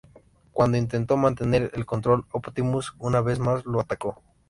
Cuando intentó mantener el control, Optimus una vez más la atacó.